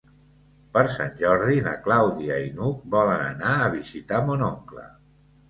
Per Sant Jordi na Clàudia i n'Hug volen anar a visitar mon oncle.